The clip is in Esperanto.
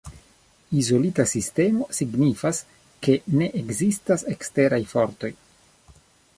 Izolita sistemo, signifas, ke ne ekzistas eksteraj fortoj.